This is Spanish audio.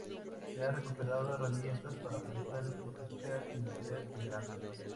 Se han recuperado herramientas para plantar, cosechar y moler el grano.